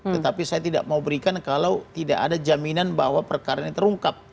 tetapi saya tidak mau berikan kalau tidak ada jaminan bahwa perkara ini terungkap